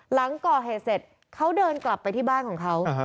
หลังก่อเหตุเสร็จเขาเดินกลับไปที่บ้านของเขา